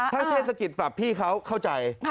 ถ้าเทศกิจปรับพี่เขาเข้าใจ